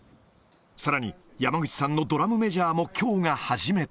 さらに、山口さんのドラムメジャーもきょうが初めて。